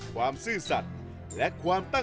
คิกคิกคิกคิกคิกคิก